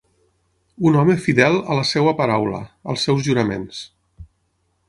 Un home fidel a la seva paraula, als seus juraments.